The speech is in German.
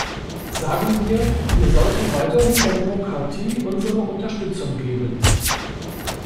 Sagen wir, wir sollten weiterhin der Demokratie unsere Unterstützung geben.